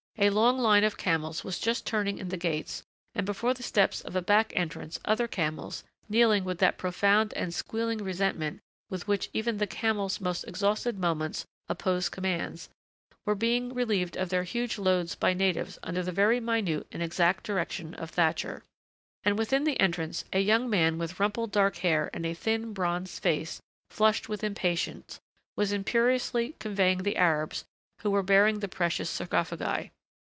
A long line of camels was just turning in the gates and before the steps of a back entrance other camels, kneeling with that profound and squealing resentment with which even the camel's most exhausted moments oppose commands, were being relieved of their huge loads by natives under the very minute and exact direction of Thatcher. And within the entrance a young man with rumpled dark hair and a thin, bronzed face flushed with impatience was imperiously conveying the Arabs who were bearing the precious sarcophagi.